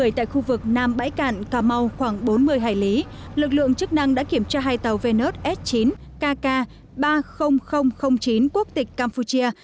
ngày hai mươi hai tháng một mươi tại khu vực nam bãi cạn cà mau khoảng bốn mươi hải lý lực lượng chức năng đã kiểm tra hai tàu venus s chín kk ba mươi nghìn chín quốc tịch campuchia